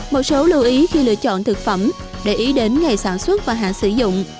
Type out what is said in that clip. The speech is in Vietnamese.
một số lưu ý khi lựa chọn thực phẩm để ý đến ngày sản xuất và hạn sử dụng